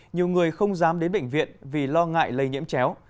nhiều người không dám đến bệnh viện vì lo ngại lây nhiễm chéo